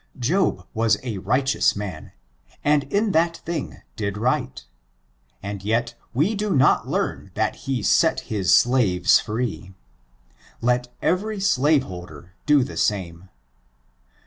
Job was a righteous man, and in that thing did right; and yet we do not learn that he set his slaves free. Let every slaveholder do the same.